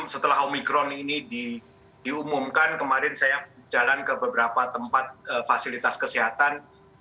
setelah omikron ini diumumkan kemarin saya jalan ke beberapa tempat fasilitas kesehatan